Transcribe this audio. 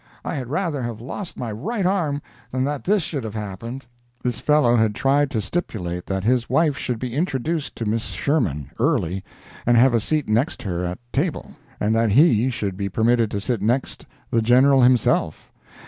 I had rather have lost my right arm than that this should have happened." This fellow had tried to stipulate that his wife should be introduced to Miss Sherman early, and have a seat next her at table, and that he should be permitted to sit next the General himself!